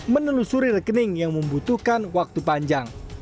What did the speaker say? menelusuri rekening yang membutuhkan waktu panjang